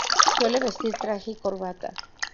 Suele vestir traje y corbata.